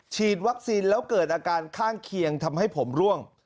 ฉีดวัคซีนแล้วเกิดอาการข้างเคียงทำให้ผมร่วง